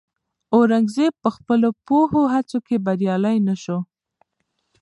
اورنګزېب په خپلو پوځي هڅو کې بریالی نه شو.